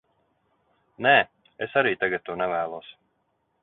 Nē, es arī tagad to nevēlos.